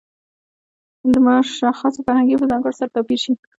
د مشخصو فرهنګي په ځانګړنو سره توپیر شي.